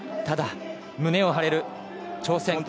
ただ、胸を張れる挑戦。